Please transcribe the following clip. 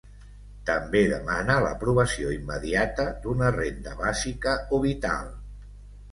També demana l’aprovació immediata d’una renda bàsica o vital.